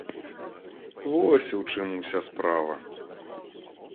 Вось у чым уся справа.